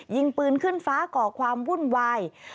ยิงปืนขึ้นฟ้าก่อความวุ่นวาย